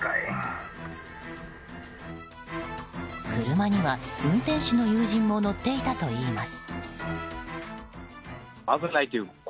車には運転手の友人も乗っていたといいます。